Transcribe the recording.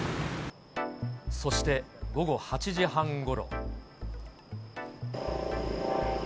そして午後８時半ごろ。